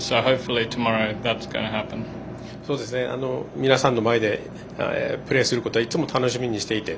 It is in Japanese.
皆さんの前でプレーすることはいつも楽しみにしていて。